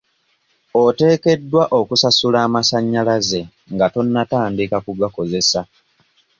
Oteekeddwa okusasulira amasannyalaze nga tonnatandika kugakozesa.